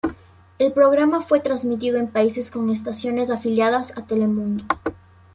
El programa fue transmitido en países con estaciones afiliadas a Telemundo.